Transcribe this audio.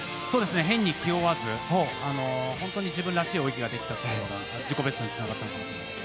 変に気負わず自分らしいレースができたというのが自己ベストにつながったと思います。